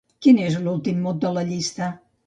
Quin és l'últim mot de la llista?